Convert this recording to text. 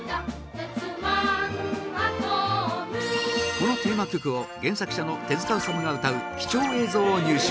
このテーマ曲を原作者の手塚治虫が歌う貴重映像を入手。